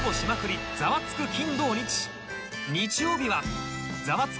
日曜日は『ザワつく！